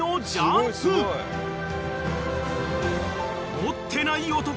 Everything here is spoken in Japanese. ［持ってない男